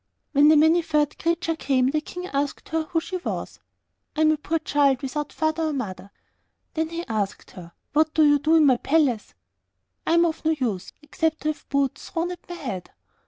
When the Many furred Creature came, the King asked her who she was. 'I am a poor child without father or mother.' Then he asked her, 'What do you do in my palace?' 'I am of no use except to have boots thrown at my head.